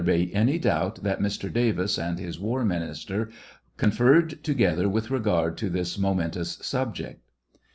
be any doubt that Mr. Davis and his war minister conferred together with regard to this momentous subject.